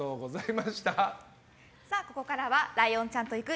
ここからはライオンちゃんと行く！